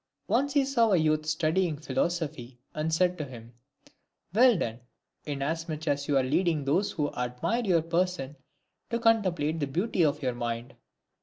Once he saw a youth studying philosophy, and said to him, " Well done ; inasmuch as you are leading those who admire your person to contemplate the beauty of your mind."